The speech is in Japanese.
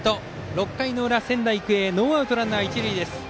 ６回の裏、仙台育英ノーアウトランナー、一塁です。